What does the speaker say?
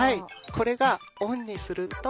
これがオンにすると。